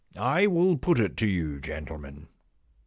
I will put it to you, gentlemen.